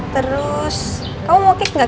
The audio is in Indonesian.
terus kamu mau kick nggak